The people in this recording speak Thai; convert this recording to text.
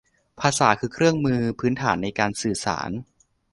ภาษาคือเครื่องมือพื้นฐานในการสื่อสาร